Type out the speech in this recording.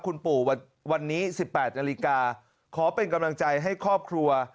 คุณปู่วันนี้๑๘นาฬิกาขอเป็นกำลังใจให้ครอบครัว